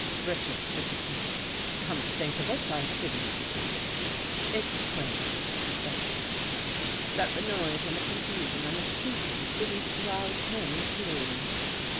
Richards shook his head. " Come to think of it, I didn't." " It's queer," said Jeffrey, " that the noise and the confusion and the shooting didn't rouse him, too."